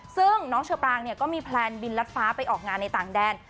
ซึ่งน้องเชอปรางเนี่ยก็มีแพลนบินรัดฟ้าไปออกงานในต่างแดน